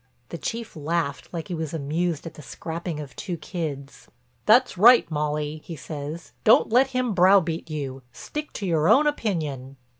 The Chief laughed like he was amused at the scrapping of two kids. "That's right, Molly," he says, "don't let him brow beat you, stick to your own opinion."